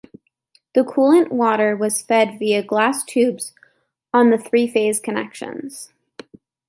The coolant water was fed via glass tubes on the three-phase connections.